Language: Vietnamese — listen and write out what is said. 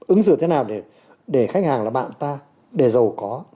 ứng xử thế nào để khách hàng là bạn ta để giàu có